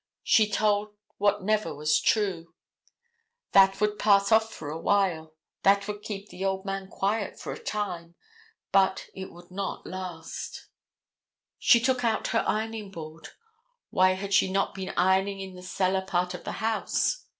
She told what never was true. That would pass off for awhile; that would keep the old man quiet for a time, but it would not last. [Illustration: ATTORNEY GENERAL PILLSBURY.] She took out her ironing board. Why had she not been ironing in the cellar part of the house.